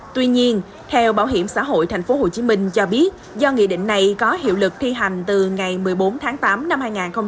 tuy nhiên theo bảo hiểm xã hội tp hcm cho biết do nghị định này có hiệu lực thi hành từ ngày một mươi bốn tháng tám năm hai nghìn hai mươi